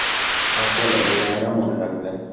Uncle, এই চেহারা মনে রাখবেন।